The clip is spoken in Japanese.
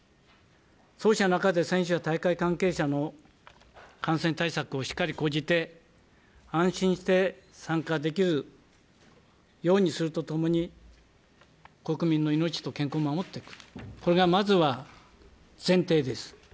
そうした中で選手や大会関係者の感染対策をしっかり講じて、安心して参加できるようにするとともに、国民の命と健康を守っていく、これがまずは前提です。